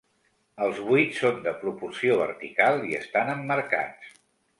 Els buits són de proporció vertical i estan emmarcats.